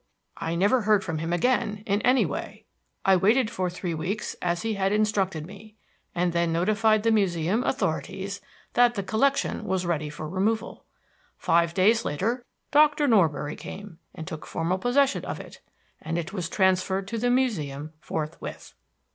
I never heard from him again in any way. I waited for three weeks as he had instructed me, and then notified the Museum authorities that the collection was ready for removal. Five days later Doctor Norbury came and took formal possession of it, and it was transferred to the Museum forthwith."